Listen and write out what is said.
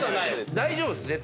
大丈夫っす絶対。